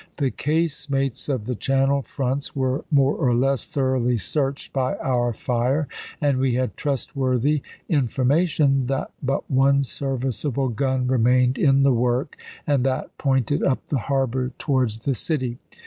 The casemates of the channel fronts were more or less thoroughly searched by our fire, and we had trustworthy in formation that but one serviceable gun remained in the work, and that pointed up the harbor to wards the city.